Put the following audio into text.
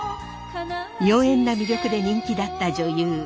妖艶な魅力で人気だった女優